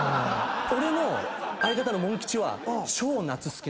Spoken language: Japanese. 俺の相方のモン吉は超。